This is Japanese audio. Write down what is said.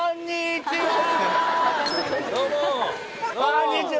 こんにちは！